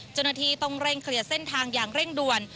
เจ้าหน้าที่ต้องเร่งเคลียร์เส้นทางอย่างเร่งด่วน